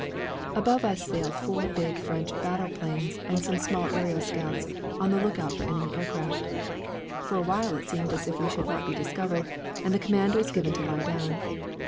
Above us sailed four big French battle planes and some small aero scouts, on the lookout for enemy aircraft. For a while it seemed as if we should not be discovered, and the command was given to lie down.